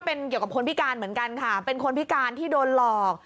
เป็นเกี่ยวกับคนพิการเหมือนกันค่ะเป็นคนพิการที่โดนหลอก